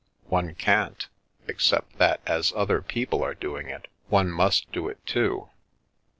" One can't, except that as other people are doing it one must do it too.